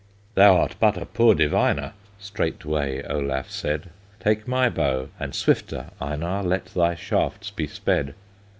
"Thou art but a poor diviner," Straightway Olaf said; "Take my bow, and swifter, Einar, Let thy shafts be sped."